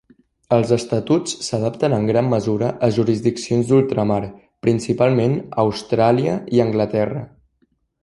Els estatuts s'adapten en gran mesura a jurisdiccions d'ultramar, principalment Austràlia i Anglaterra.